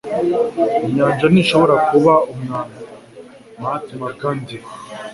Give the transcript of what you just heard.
inyanja ntishobora kuba umwanda. ” —Mahatma Gandhi